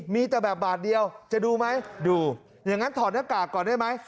มีแต่แบบบาทเดียวจะดูไหมดูอย่างนั้นถอดหน้ากากก่อนได้ไหม